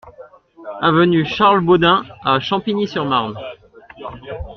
Avenue Charles Baudin à Champigny-sur-Marne